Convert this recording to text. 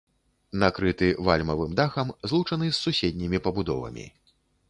Накрыты вальмавым дахам, злучаны з суседнімі пабудовамі.